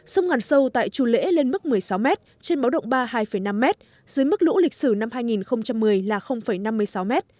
sông ngàn sâu tại chùa lễ lên mức một mươi sáu m trên báo động ba hai năm m dưới mức lũ lịch sử năm hai nghìn một mươi là năm mươi sáu m